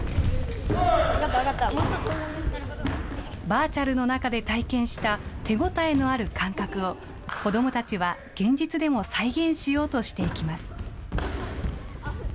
バーチャルの中で体験した手応えのある感覚を、子どもたちは現実でも再現しようとしていきます。